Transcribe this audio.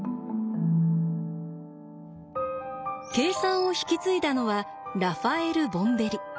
計算を引き継いだのはラファエル・ボンベリ。